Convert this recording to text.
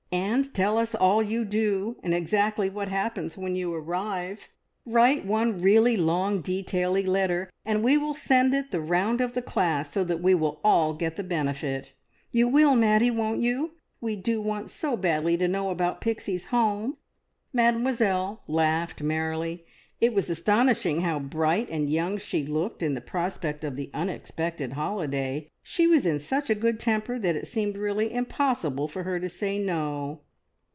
And tell us all you do, and exactly what happens when you arrive. Write one really long, detaily letter, and we will send it the round of the class, so that we will all get the benefit. You will, Maddie, won't you? We do want so badly to know about Pixie's home!" Mademoiselle laughed merrily. It was astonishing how bright and young she looked in the prospect of the unexpected holiday. She was in such a good temper that it seemed really impossible for her to say No.